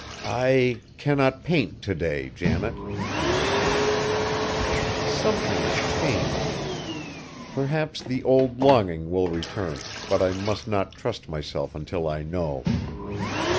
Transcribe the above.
"I cannot paint to day, Janet," he whispered. "Something is changed. Perhaps the old longing will return, but I must not trust myself until I know.